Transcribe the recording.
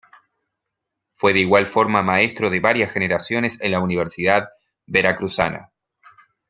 Fue de igual forma maestro de varias generaciones en la Universidad Veracruzana.